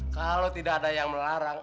kalau tidak ada yang melarang